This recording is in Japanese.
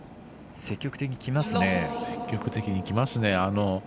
積極的にきますね。